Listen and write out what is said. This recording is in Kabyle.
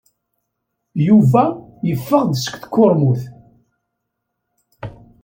Yuba yeffeɣ-d seg tkurmut.